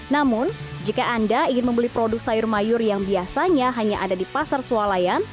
namun jika anda ingin membeli produk sayur mayur yang biasanya hanya ada di pasar sualayan